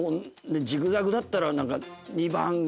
ジグザグだったらなんか２番が。